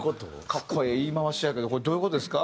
格好ええ言い回しやけどこれどういう事ですか？